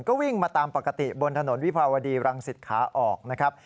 ก็วิ่งมาตามปกติบนถนนวิภาวดีรังสิตขาออกนะครับ